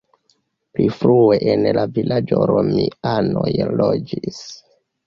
Pli frue en la vilaĝo romianoj loĝis.